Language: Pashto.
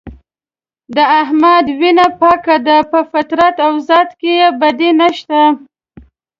د احمد وینه پاکه ده په فطرت او ذات کې یې بدي نشته.